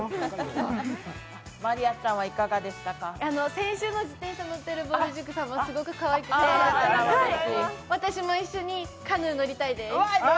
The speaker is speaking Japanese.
先週の自転車乗ってるぼる塾さんもすごくかわいくて、私も一緒にカヌー乗りたいです。